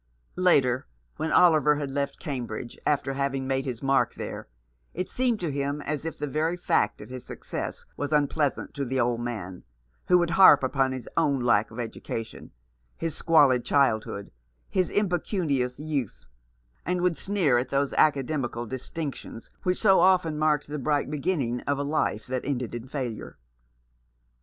Later, when Oliver had left Cambridge, after having made his mark there, it seemed to him as if the very fact of his success was unpleasant to the old man, who would harp upon his own lack of education, his squalid childhood, his impecunious youth, and would sneer at those academical dis tinctions which so often marked the bright begin ning of a life that ended in failure.